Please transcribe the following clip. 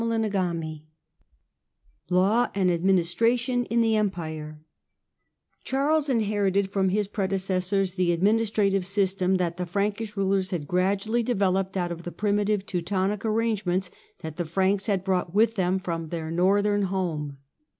CHAPTEB XIX LAW AND ADMINISTRATION IN THE EMPIRE HAKLES inherited from his predecessors the ad ministrative system that the Frankish rulers had gradually developed out of the primitive Teutonic arrangements that the Franks had brought with them from their northern home.